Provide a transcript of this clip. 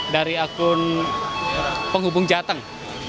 dari akun penghubung jateng